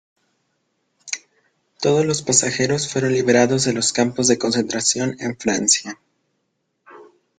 Todos los pasajeros fueron liberados de los campos de concentración en Francia.